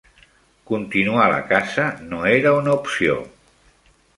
Continua la caça no era una opció.